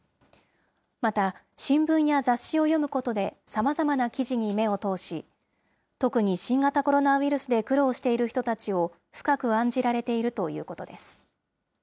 また新聞や雑誌を読むことで、さまざまな記事に目を通し、特に新型コロナウイルスで苦労している人たちを深く案じられているということです。